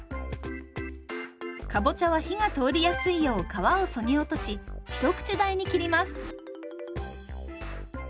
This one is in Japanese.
かぼちゃは火が通りやすいよう皮をそぎ落とし一口大に切ります。